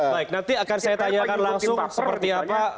baik nanti akan saya tanyakan langsung seperti apa